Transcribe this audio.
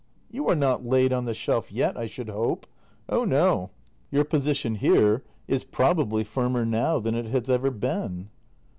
You are not laid on the shelf yet, I should hope. Oh no — your position here is probably firmer now than it has ever been.